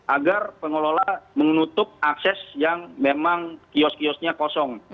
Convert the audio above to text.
agar pengelola menutup akses yang memang kios kiosnya kosong